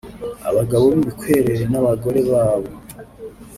abagabo b’ibikwerere n’abagore babo